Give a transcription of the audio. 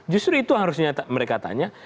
justru itu harusnya mereka tanya